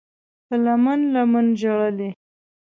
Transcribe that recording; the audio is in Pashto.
په لمن، لمن ژړلي